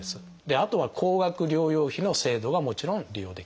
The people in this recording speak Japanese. あとは高額療養費の制度がもちろん利用できます。